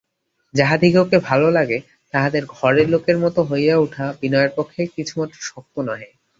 যাহাদিগকে ভালো লাগে তাহাদের ঘরের লোকের মতো হইয়া উঠা বিনয়ের পক্ষে কিছুমাত্র শক্ত নহে।